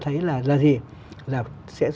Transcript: thấy là là gì là sẽ